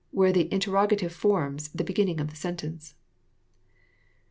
where the interrogative forms the beginning of the sentence.